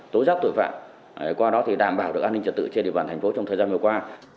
tố giác tội phạm qua đó thì đảm bảo được an ninh trật tự trên địa bàn thành phố trong thời gian vừa qua